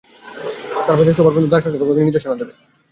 চারপাশের সবার বন্ধু হয়ে দার্শনিকের মতো নির্দেশনা দিবো।